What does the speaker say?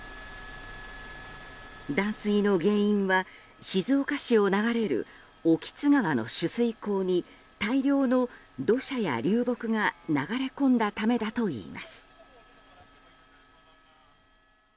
断水の原因は静岡市を流れる興津川の取水口に大量の土砂や流木が流れ込んだためだといいます。